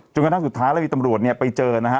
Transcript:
กระทั่งสุดท้ายแล้วมีตำรวจเนี่ยไปเจอนะฮะ